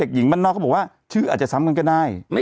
หญิงบ้านนอกเขาบอกว่าชื่ออาจจะซ้ำกันก็ได้